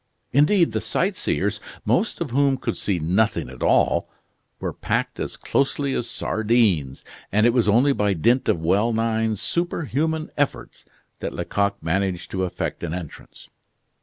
Indeed, the sightseers, most of whom could see nothing at all, were packed as closely as sardines, and it was only by dint of well nigh superhuman efforts that Lecoq managed to effect an entrance.